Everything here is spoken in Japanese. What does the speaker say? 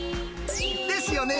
ですよね？